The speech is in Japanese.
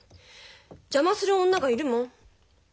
邪魔する女がいるもん。